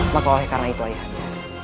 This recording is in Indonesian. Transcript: maka oleh karena itu ayahnya